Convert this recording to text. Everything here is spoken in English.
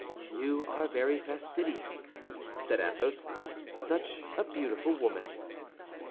"You are very fastidious," said Athos; "such a beautiful woman!"